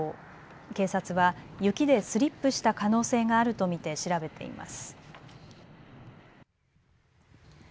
警察は雪でスリップした可能性があると見て調べています。